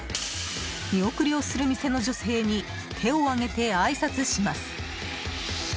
見送りをする店の女性に手を挙げて、あいさつします。